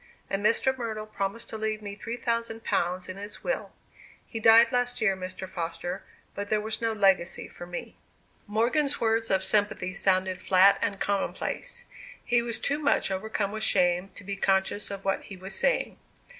And Mr. Myrtle promised to leave me three thousand pounds in his will. He died last year, Mr. Foster, but there was no legacy for me." Morgan's words of sympathy sounded flat and commonplace. He was too much overcome with shame to be conscious of what he was saying.